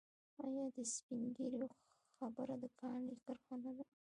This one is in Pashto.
آیا د سپین ږیرو خبره د کاڼي کرښه نه ده؟